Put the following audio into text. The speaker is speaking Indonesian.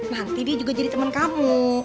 nanti dijuga jadi teman kamu